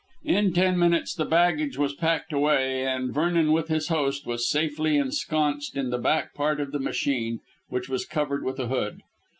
In ten minutes the baggage was packed away, and Vernon with his host was safely ensconced in the back part of the machine, which was covered with a hood.